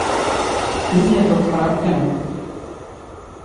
তুমি এত খারাপ কেন?